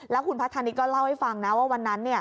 แล้วคุณพัฒนิษฐก็เล่าให้ฟังนะว่าวันนั้น